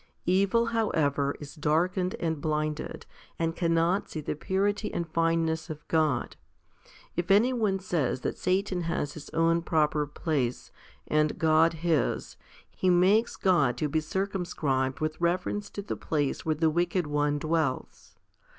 Evil, however, is darkened and blinded, and cannot see the purity and fineness of God. If any one says that Satan has his own proper place, and God His, he makes God to be circum scribed with reference to the place where the wicked one dwells.